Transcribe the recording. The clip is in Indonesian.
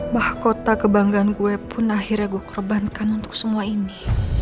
bah kota kebanggaan gue pun akhirnya gue korbankan untuk semua ini